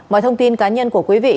mọi thông tin cá nhân của quý vị